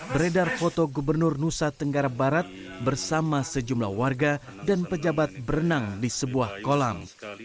beredar foto gubernur nusa tenggara barat bersama sejumlah warga dan pejabat berenang di sebuah kolam